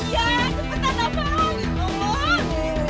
oh iya cepetan apa